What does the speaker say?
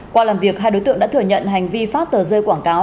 qua làm việc hai đối tượng đã thừa nhận hành vi phát tờ rơi quảng cáo